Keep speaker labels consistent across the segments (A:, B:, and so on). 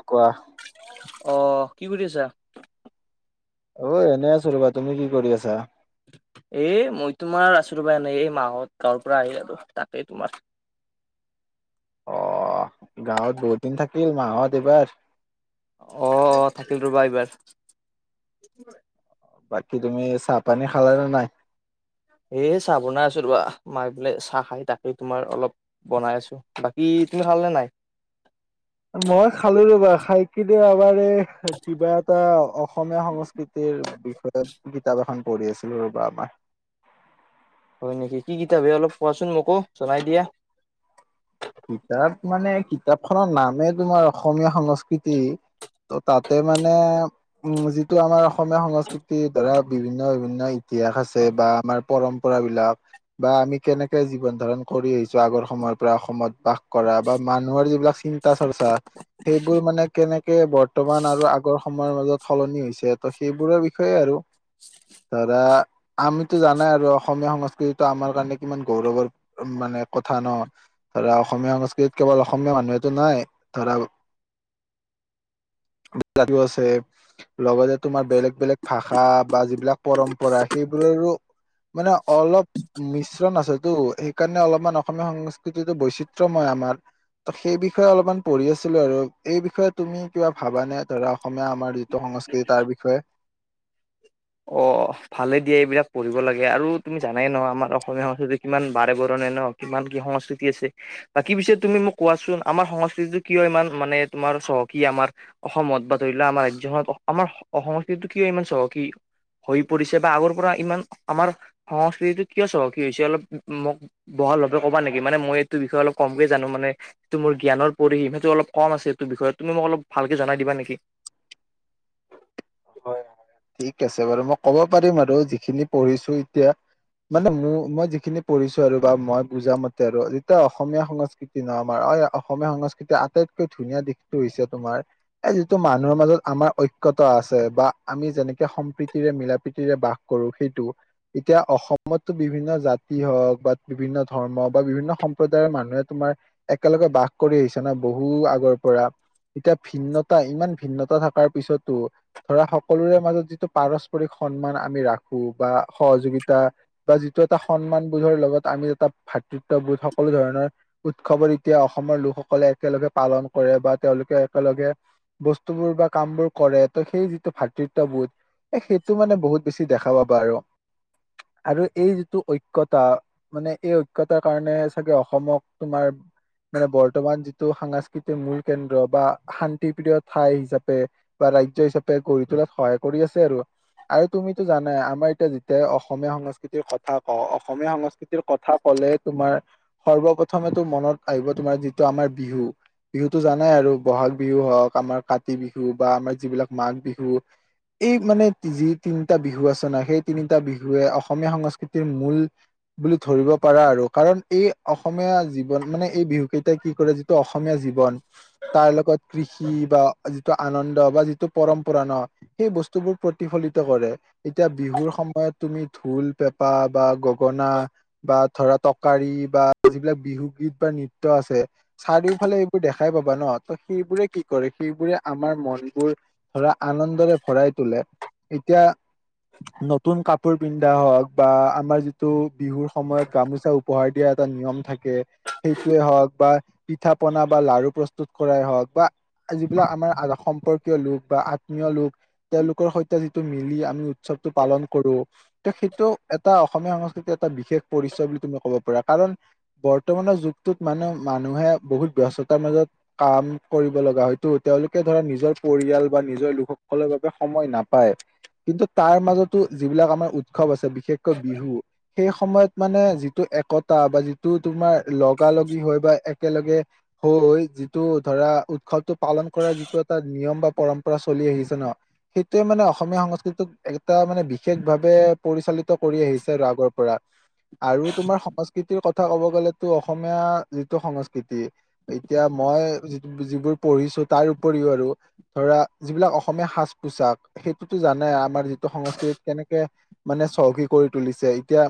A: অ, কোৱা?
B: অ, কি কৰি আছা?
A: অএনে আছো ৰ'বা তুমি কি কৰি আছা?
B: এ, মই তোমাৰ আছোব নাই এই মাহত গাঁৱৰ পৰা আহিল আৰু তাকেই তোমাৰ
A: অ গাঁৱত বহুত দিন থাকিল মাহত এইবাৰ
B: অ', অ', থাকিল ৰ'বা এইবাৰ।
A: বাকী তুমি চাহ, পানী খালে নে নাই?
B: এ, চাহ বনাই আছো ৰ'বা মাই বোলে চাহ খাই তাকেই তোমাৰ অলপ বনাই আছো বাকী তুমি খালি নে নাই?
A: মই খালো ৰ'বা খাই কিন্ত এবাৰে কিবা এটা অসমীয়া সংস্কৃতিৰ বিষয়ত কিতাপ এখন কৰি আছিলো ৰ'বা আমাৰ
B: হয় নেকি কি কিতাপে অলপ কোৱাচোন মোকো জনাই দিয়া।
A: কিতাপ মানে কিতাপ খনৰ নামেই তোমাৰ অসমীয়া সংস্কৃতি ত-তাতে মানে উম, যিটো আমাৰ অসমীয়া সংস্কৃতিৰ ধৰা বিভিন্ন, বিভিন্ন ইতিহাস আছে বা আমাৰ পৰম্পৰা বিলাক বা আমি কেনেকে জীৱন ধাৰণ কৰি আহিছো আগৰ সময়ৰ পৰা অসমত বাস কৰা বা মানুহৰ যিবিলাক চিন্তা, চৰ্চা সেইবোৰ মানে কেনেকে বৰ্তমান আৰু আগৰ সময়ৰ মাজত সলনি হৈছে ত' সেইবোৰৰে বিষয় সেই আৰু ধৰা আমিতো জানাই আৰু অসমীয়া সংস্কৃতিটো আমাৰ কাৰণে কিমান গৌৰৱৰ মানে কথা ন। ধৰা অসমীয়া সংস্কৃতিত কেৱল অসমীয়া মানুহেতো নাই ধৰা। লাগও আছে। লগতে তোমাৰ বেলেগ, বেলেগ ভাষা বা যিবিলাক পৰম্পৰা সেইবোৰৰো মানে অলপ মিশ্ৰণ আছেতটো সেইকাৰণে অলপমান অসমীয়া সংস্কৃতি যিটো বৈচিত্ৰময় আমাৰ ত, সেই বিষয়ে অলপমান পঢ়ি আছিলো আৰু এই বিষয়ে তুমি কিবা ভাবা নে ধৰা অসমীয়া আমাৰ সংস্কৃতি তাৰ বিষয়ে
B: অ ভালে দিয়ে এইবিলাক পঢ়িব লাগে আৰু তুমি জানাই ন আমাৰ অসমীয়া সংস্কৃতি কিমান বাৰে বৰণিয়া ন। কিমান কি সংস্কৃতি আছে? বাকী পিছে তুমি মোক কোৱাচোন আমাৰ সংস্কৃতিতটো কিয় ইমান মানে তোমাৰ চহকী আমাৰ? অসমত বা ধৰি লোৱা আমাৰ ৰাজ্যখনত আমাৰ সংস্কৃতিটো কি ইমান চহ কি হৈ পৰিছে বা আগৰ পৰা ইমান আমাৰ সংস্কৃতিতটো কিয় চহকী হৈছে অলপ মোক বহাল ভাৱে কবা নেকি মানে মই এইটো বিষয়ে অলপ কমকে জানো মানে। যিটো মোৰ জ্ঞৰ পৰিশম সেইটো অলপ কম আছে। এইটো বিষয়ে তুমি মোক অলপ ভালে জনাই দিবা নেকি।
A: হয় ঠিক আছে বাৰু মই ক'ব পাৰিম আৰু যিখিনি পঢ়িছো এতিয়া। মানে মোৰ মই যিখিনি পঢ়িছো আৰু বা মই বুজা মতে আৰু যেতিয়া অসমীয়া সংস্কৃতি [unintelligible] ন আমাৰ অ, অসমীয়া সংস্কৃতিৰ আটাইতকৈ ধুনীয়া দিশটো হৈছে তোমাৰ। এই যিটো মানুহৰ মাজত আমাৰ ঐক্য আছে। বা আমি যেনেকে সম্প্ৰীতিৰে মিলা প্ৰীতিৰে বাস কৰো সেইটো এতিয়া অসমতো বিভিন্ন জাতি হওক বা বিভিন্ন ধৰ্মক বা বিভিন্ন সম্প্ৰদায়ৰ মানুহে তোমাৰ একেলগে বাস কৰি আহিছে ন বহু আগৰ পৰা। এতিয়া ভিন্নতা ইমান ভিন্নতা থকাৰ পিছতো ধৰা সকলোৰে মাজত যিটো পাৰস্পৰিক সন্মান আমি ৰাখো বা সহযোগিতা বা যিটো এটা সন্মান বোধৰ লগত আমি এটা ভাতৃত্ববোধ সকলো ধৰণৰ উৎসৱত এতিয়া অসমৰ লোকসকলে একেলগে পালন কৰে বা তেওঁলোকে একেলগে বস্তু বোৰ বা কাম বোৰ কৰে ত' সেই টো ভাতৃত্ববোধ এ সেইটো মানে বহুত বেছি দেখা পাবা আৰু। আৰু এই যিটো ঐকয়তা মানে এই, ঐকয়তাৰ কাৰণে চাগে অসমক তোমাৰ মানে বৰ্তমান যিটো সাংস্কৃতিক মূল কেন্দ্ৰ বা শান্তিপ্ৰিয় ঠাই হিচাপে বা ৰাজ্য হিচাপে গঢ়ি তোলাত সহায় কৰি আছে আৰু আৰু তুমিতো জানাই আমাৰ এতিয়া যেতিয়া অসমীয়া সংস্কৃতিৰ কথা ক, অসমীয়া সংস্কৃতি কথা ক'লে তোমাৰ সৰ্বপ্ৰথমে মনত আহিব তোমাৰ যিটো আমাৰ বিহু বিহুতো জানাই আৰু বহাগ বিহু হওক আমাৰ কাতি বিহু বা আমাৰ যিবিলাক মাঘ বিহু এই মানে যি তিনিটা বিহু আচনা সেই তিনিটা বিহুৱে অসমীয়া সংস্কৃতিৰ মূল বুলি ধৰিব পাৰা আৰু কাৰণ এই অসমীয়া জীৱন মানে এই বিহু কেইটাই কি কৰে? অসমীয়া জীৱন তাৰ লগত কৃষি বা যিটো আনন্দ বা যিটো পৰম্পৰা ন, সেই বস্তুবোৰ প্ৰতিফলিত কৰে। এতিয়া বিহুৰ সময়ত তুমি ঢোল, পেঁপা বা গগনা বা ধৰা তটৰকাৰী বা যিবিলাক বিহু গীত বা নৃত্য আছে। চাৰিওফালে এইবোৰ দেখাই পাবা ন ত সেইবোৰে কি কৰে সেইবোৰে আমাৰ মন বোৰ ধৰা আনন্দৰে ভৰাই তোলে এতিয়া নতুন কাপোৰ পিন্ধা হওক বা আমাৰ যিটো বিহুৰ সময়ত গামোচা পোহাৰ দিয়া এটা নিয়ম থাকে। সেইটোৱে হওক বা পিঠা পনা বা লাৰু প্ৰস্তুত কৰাই হওক বা যিবিলাক আমাৰ সম্পৰ্কীয় লোক বা আত্মীয় লোক তেওঁলোকৰ সৈতে যিটো মিলি আমি উৎসৱটো পালন কৰো। তে, সেইটো এটা অসমীয়া সংস্কৃতিৰ এটা বিশেষ পৰিচয় বুলি তুমি ক'ব পাৰা কাৰণৰ বৰ্তমানৰ যুগটোত মানে মানুহে বহুত ব্যস্ততাৰ মাজত কাম কৰিব লগা হয়তটো তেওঁলোকে ধৰা নিজৰ পৰিয়াল বা নিজৰ লোকসকলৰ বাবে সময় নাপায় কিন্তু তাৰ মাজতো যিবিলাক আমাৰ উসৱ আছে বিশেষকৈ বিহু। সেই সময়ত মানে যিটো একতা বা যিটো তোমাৰ লগ, লগগি হয় বা একেলগে হৈ যিটো ধৰা উৎসৱ পালন কৰাৰ যিটো এটা নিয়ম বা পৰম্পৰা চলি আহিছে ন সেইটোৱে মানে অসমীয়া সংস্কৃতিত টা মানে বিশেষ ভাৱে পৰিচালিত কৰি আহিছে আৰু আগৰ পৰা আৰু তোমাৰ সংস্কৃতিৰ কথা ক'ব গ'লেতো অসমীয়া যিটো সংস্কৃতি এতিয়া মই যিবোৰ পঢ়িছো তাৰ উপৰিও আৰু ধৰা যিবিলাক অসমীয়া সাজ-পোছাক সেইটোতো জানে আমাৰ যিটো সংস্কৃতিত কেনেকে মানে চহকী কৰি তুলিছে এতিয়া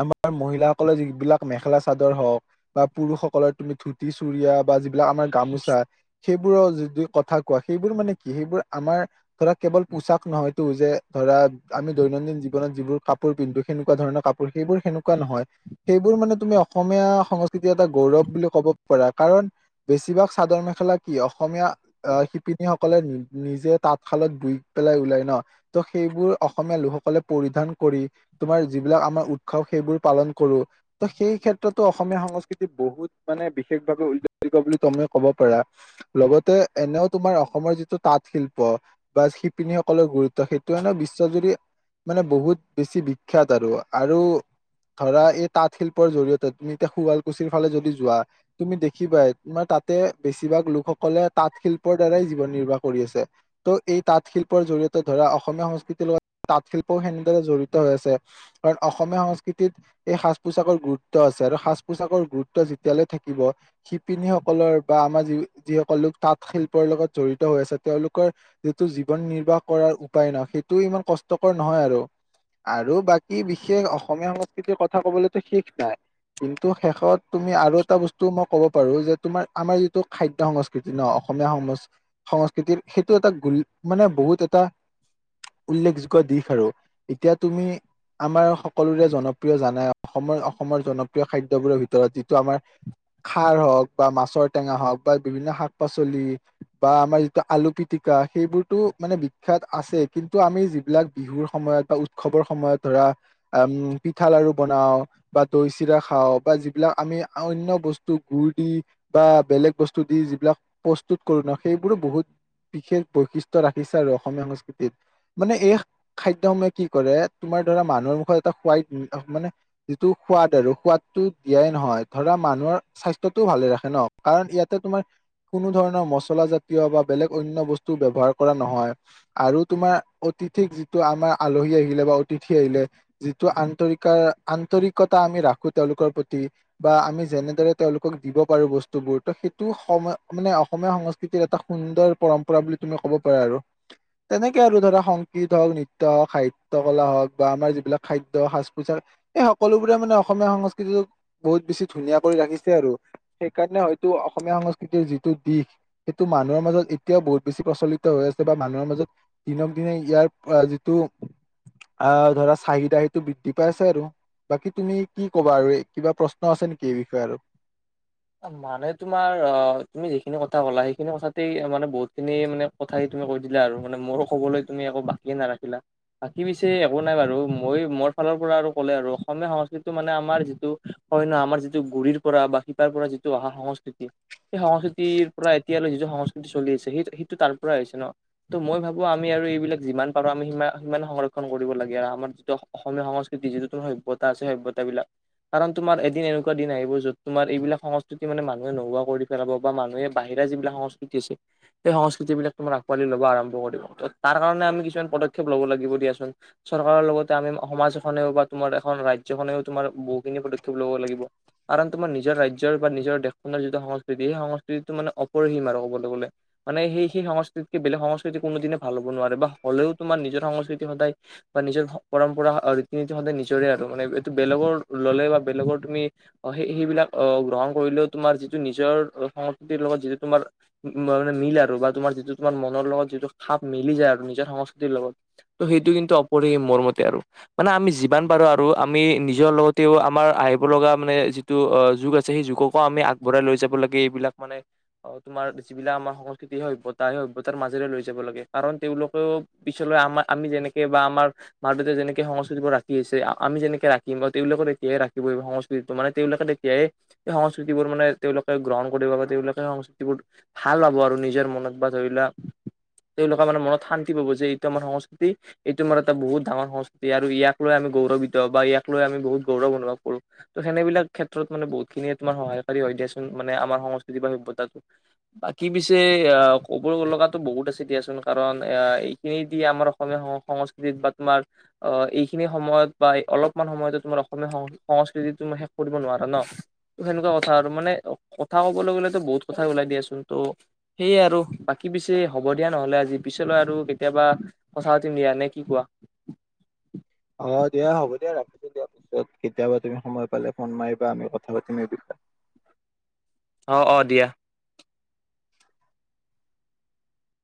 A: আমাৰ মহিলাসকলে যিবিলাক মেখেলা চাদৰ হওক বা পুৰুষসকলৰ তুমি ধুতি চুৰিয়া বা যিবিলাক আমাৰ গামোচা, সেইবোৰৰ যদি কথা কোৱা সেইবোৰ মানে কি সেইবোৰ আমাৰ ধৰা, কেৱল পোচাক নহয়তো যে ধৰা আমি দৈনন্দিন জীৱনত যিবোৰ কাপোৰ পিন্ধো সেনেকুৱা ধৰণৰ কাপ গোটেইবোৰ সেনেকুৱা নহয় সেইবোৰ মানে তুমি অসমীয়া সংস্কৃতিৰ এটা গৌৰৱ বুলি ক'ব পাৰা, কাৰণ বেছিভাগ চাদৰ মেখেলা কি অসমীয়া আহ সকলে নিজে তাঁতশালত বই পেলাই ওলাই ন ত' সেইবোৰ অসমীয়া লোকসকলে পৰিধান কৰি তোমাৰ, যিবিলাক আমাৰ উৎসৱ সেইবোৰ পালন কৰো ত সেই ক্ষেত্ৰতো অসমীয়া সংস্কৃতি বহুত মানে বিশেষভাৱে উল্লেখযোগ্য বুলি তুমি ক'ব পাৰা, লগতে এনেও তোমাৰ অসমৰ যিটো তাঁত শিল্প বা শিপিনীসকলৰ গুৰুত্ব সেইটোোৱে ন বিশ্বজুৰি মানে, বহুত বেছি বিখ্যাত আৰু আৰু ধৰা, এই তাঁত শিল্পৰ জৰিয়তে তুমি এতিয়া শুৱালকুছিৰ ফালে যদি যোৱা তুমি দেখিবা তোমাৰ তাতে বেছিভাগ লোকসকলে তাঁত শিল্প ৰদ্বাৰাই জীৱন নিৰ্বাহ কৰি আছে। ত' এই তাঁত শিল্পৰ জৰিয়তে ধৰা অসমীয়া সংস্কৃতিৰ লগত তাঁত শিল্পও সেনেদৰে জড়িত হৈ আছে। কাৰণ অসমীয়া সংস্কৃতিত। এই সাজ পোছাকৰ গুৰুত্ব আছে আৰু সাজ পোছাকৰ গুৰুত্ব যেতিয়ালৈ থাকিব। শিপিনীসকলৰ বা আমাৰ যি যিসকল লোক তাঁত শিল্পৰ লগত জড়িত হৈ আছে তেওঁলোকৰ। যিটো জীৱন নিৰ্বাহ কৰাৰ উপায় নহ সেইটো ইমান কষ্টকৰ নহয় আৰু। আৰু বাকী বিশেষ অসমীয়া সংস্কৃতিৰ কথা কবলেতো শেষ নাই। কিন্তু শেষত তুমি আৰু এটা বস্তু মই ক'ব পাৰো যে তুমাৰ আমাৰ যিটো খাদ্যয় সংস্কৃতি ন। অসমীয়া সংস্কৃতিৰ সেইটো এটা গুল মানে বহুত এটা। উল্লেখযোগ্য দিশ আৰু এতিয়া তুমি। আমাৰ সকলোৰে জনপ্ৰিয় জানাই অসমৰ অসমৰ জনপ্ৰিয় খাদ্যবোৰৰ ভিতৰত যিটো আমাৰ। খাৰ হওক বা মাছৰ টেঙা হওক বা বিভিন্ন শাক পাচলি। বা আমাৰ যিটো আলু পিতিিকা সেইবোৰতো মানে বিখ্যাত আছে কিন্তু আমি যিবিলাক বিহুৰ সময়ত বা। খবৰ সময়ত ধৰা আম পিঠা লাাৰু বনাও। বা দৈ চিৰা খাওঁ বা যিবিলাক আমি অন্য বস্তু গুুৰ দি। বা বেলেগ বস্তু দি যিবিলাক প্ৰস্তুত কৰো ন সেইবোৰো বহুত। বিশেষ বৈশিষ্ট্যে ৰাখিছে আৰু অসমীয়া সংস্কৃতিত মানে এই। খাদ্য সমহে কি কৰে তোমাৰ ধৰা মানুহৰ মুখত এটা সোৱাই মানে। যিটো সোৱাদ আৰু সোৱাদতটো দিয়াই নহয় ধৰা মানুহৰ। স্বাস্থ্যটোও ভালে ৰাখে ন কাৰণ ইয়াতে তোমাৰ। কোনো ধৰণৰ মচলা জাতীয় বা বেলেগ অনন্য বস্তু ব্যৱহাৰ কৰা নহয়। আৰু তোমাৰ অতিথিক যিটো আমাৰ আলহী আহিলে বা অতিথি আহিলে। যিটো আন্তৰিক আন্তৰিকতা আমি ৰাখো তেওঁলোকৰ প্ৰতি। বা আমি যেনেদৰে তেওঁলোকক দিব পাৰো বস্তুবোৰ ত সেইটো সময়। মানে অসমীয়া সংস্কৃতিৰ এটা সুন্দৰ পৰম্পৰা বুলি তুমি ক'ব পাৰা আৰু। তেনেকে আৰু ধৰা সংগীত হওক নৃত্য় হওঁক সাহিত্য কলা হওক বা আমাৰ যিবিলাক খাদ্য সাজ পোচাক। এই সকলোবোৰে মানে অসমীয়া সংস্কৃতিটোোক বহুত বেছি ধুনীয়া কৰি ৰাখিছে আৰু। সেইকাৰণে হয়তো অসমীয়া সংস্কৃতিৰ যি। টো দিশ সেইটো মানুহৰ মাজত এতিয়াও বহুত বেছি প্ৰচলিত হৈ আছে বা মানুহৰ মাজত। দিনক দিনে ইয়াৰ যিটো। আহ ধৰা চাহিদাহিটো বৃদ্ধি পাইছে আৰু। বাকী তুমি কি কবা আৰু এই কিবা প্ৰশ্ন আছে নেকি এই বিষয়ে আৰু।
B: মানে তোমাৰ অ' তুমি যিখিনি কথা কলা সেইখিনি কথাতেই মানে বহুত খিনি মানে। কথাই তুমি কৈ দিলা আৰু মানে মোৰো ক'বলৈ তুমি একো বাকিয়ে নাৰাখিলা। বাকী পিছে একো নাই বাৰু মই মোৰ ফালৰ পৰা আৰু ক'লে আৰু অসমীয়া সংস্কৃতিটো মানে আমাৰ যিটো। হয় নহয় আমাৰ যিটো গুড়িৰ পৰা বা শিপাৰ পৰা যিটো অহা সংস্কৃতি সেই সংস্কৃতিৰ পৰা এতিয়ালৈ যিটো সংস্কৃতি চলি আছে সেই সেইটো তাৰ পৰাই হৈছে ন ত' মই ভাবো আমি আৰু এইবিলাক যিমান পাৰো আমি সি সিমান সংৰক্ষণ কৰিব লাগে আৰু আমাৰ যিটো অসমীয়া সংস্কৃতিৰ যিটো তোমাৰ সভ্যতা আছে সভ্যতা বিলাক কাৰণ তোমাৰ এদিন এনেকুৱা দিন আহিব যত তোমাৰ এইবিলাক সংস্কৃতি মানে মানুহে নোহোৱা কৰি পেলাব বা মানুহে বাহিৰা যিবিলাক সংস্কৃতি আছে। সেই সংস্কৃতি বিলাক তোমাৰ আকোৱালি ল'ব আৰম্ভ কৰিব ত কাৰণে আমি কিছুমান পদক্ষেপ ল'ব লাগিব দিয়াচোন। চৰকাৰৰ লগতে আমি সমাজখনেও বা তোমাৰ এখন ৰাজ্যখনেও তোমাৰ বহুখিনি পদক্ষেপ ল'ব লাগিব। কাৰণ তোমাৰ নিজৰ ৰাজ্যৰ বা নিজৰ দেশখনৰ যিটো সংস্কৃতি সেই সংস্কৃতিটো মান অপৰিসীম আৰু ক'বলৈ গ'লে। মানে সেই সেই সংস্কৃতিকে বেলেগ সংস্কৃতি কোনোনে ভাল হ'ব নোৱাৰে বা হ'লেও তোমাৰ নিজৰ সংস্কৃতি সদায় বা নিজৰ পৰম্পৰা ৰীতি নীতি সদায় নিজৰে আৰু মানে এইটো বেলেগৰ ল'লে বা বেলেগৰ তুমি সেই সেইবিলাক আহ গ্ৰহণ কৰিলেও তোমাৰ যিটো নিজৰ সংস্কৃতিৰ লগত যিটো তোমাৰ। মানে মিল আৰু বা তোমাৰ যিটো তোমাৰ মনৰ লগত যিটো খাপ মেলি যায় আৰু নিজৰ সংস্কৃতিৰ লগত সেইটো কিন্তু অপৰে মোৰ মতে আৰু মানে আমি যিমান পাৰো আৰু আমি নিজৰ লগতেও আমাৰ আহিব লগা মানে যিটো অ' যুগ আছে সেই যুগকো আমি আগবঢ়াই লৈ যাব লাগে এইবিলাক মানে অ' তোমাৰ যি বিলাক আমাৰ সংস্কৃতি স সভ্য়তা সেই সভয়তাৰ মাজেৰে লৈ যাব লাগে কাৰণ তেওঁলোকেও পিছলৈ আম আমি যেনেক বা আমাৰ মাৰ দে যেনে সংস্কৃতিবোৰ ৰাখি আছে আমি যেনেকে ৰাখম আৰু তেওঁলোকৰ তেতিয়ে ৰাখিব সংস্কৃতিটো মানে তেওঁলোকে তেতিয়েেই সংস্কৃতিবোৰ মানে তেওঁলোকে গ্ৰহণ কৰিব বা তেওঁলোকে সংস্কৃতিবোৰ ভাল হাব আৰু নিজৰ মনত ব ধৰিলা তেওঁলোকে মানে মনত শান্তি পাব যে এইটো আমাৰ সংস্কৃতি এইটোমাৰ এটা বহুত ডাঙৰ সংস্কৃতি আৰু ইয় লৈ আমি গৰৱ্বিতওঁ বা ইয়াক লৈ আমি বহুত গৌৰৱ অনুভৱ কৰো ত' সেনেবিলাক ক্ষেত্ৰত মানে বহুত খিনিয়ে তোম সহায়কাৰী হয় দিয়াচোনানেমাৰ সংস্কৃতি বা সভ্যতাটো বাকী পিছে অ', ক'ব লগাো বহুত আছে দিয়াচোন কাৰণ এ এইখিনি দি আমাৰ অসমীয়া সং সংস্কৃতিত বা তোমাৰ অ', এইখিনি সময়ত বা অলপমান সময়তে তোমাৰ অসমীয়া সং সংস্কৃতিতো শেষ কৰিব নোৱাৰা ন সেনেকুৱা কথা আৰু মানে কথা কবলৈ গ'লেো বহুত কথাই ওলাই দিয়াচোন ত' সেয়ে আৰু বাকী পিছে হ'ব দিয়া নহলে আজি পিছলৈ আৰু কেতিয়াবা অ', চাউথ ইণ্ডিয়া নে কি কোৱা
A: অ', দিয়া হ'ব দিয়া ৰাখিছো দিয়াৰ পিছত কেতিয়াবা তুমি সময় পালে ফোন মাৰিবা আমি কথা পাতিম এই বিষয়ে
B: অ', অ', দিয়া